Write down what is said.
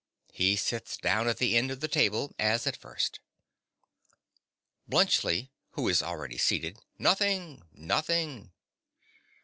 (He sits down at the end of the table, as at first.) BLUNTSCHLI. (who is already seated). Nothing, nothing.